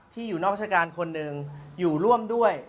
อยู่นอกราชการคนหนึ่งอยู่ร่วมด้วย